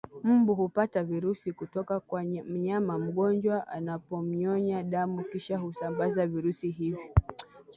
Mbu hupata virusi kutoka kwa mnyama mgonjwa anapomnyonya damu Kisha husambaza virusi hivyo